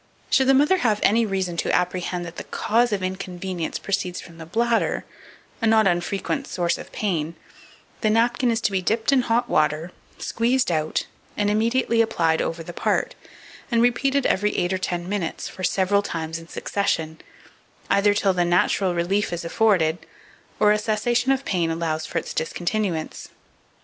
2484. Should the mother have any reason to apprehend that the cause of inconvenience proceeds from the bladder a not unfrequent source of pain, the napkin is to be dipped in hot water, squeezed out, and immediately applied over the part, and repeated every eight or ten minutes, for several times in succession, either till the natural relief is afforded, or a cessation of pain allows of its discontinuance.